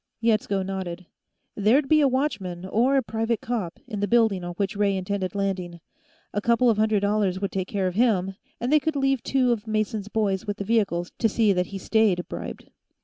Yetsko nodded. There'd be a watchman, or a private cop, in the building on which Ray intended landing. A couple of hundred dollars would take care of him, and they could leave two of Mason's boys with the vehicles to see that he stayed bribed.